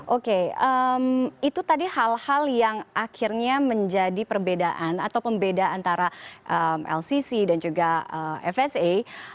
oke itu tadi hal hal yang akhirnya menjadi perbedaan atau pembeda antara lcc dan juga fsa